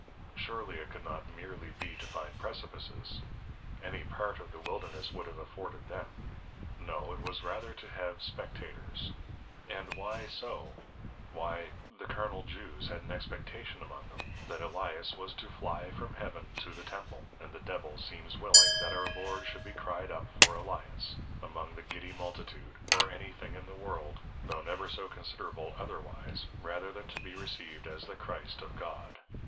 Surely it could not meerly be to find Precipices; any part of the Wilderness would have afforded Them. No, it was rather to have Spectators. And why so, Why, the carnal Jews had an Expectation among them; that Elias was to fly from Heaven to the Temple; and the Devil seems willing, that our Lord should be cry'd up for Elias, among the giddy multitude; or any thing in the World, tho never so considerable otherwise, rather than to be received as the Christ of God.